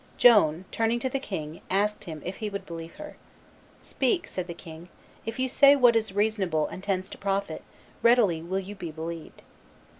Joan, turning to the king, asked him if he would believe her. "Speak," said the king; "if you say what is reasonable and tends to profit, readily will you be believed."